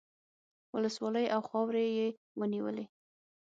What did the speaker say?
ولسوالۍ او خاورې یې ونیولې.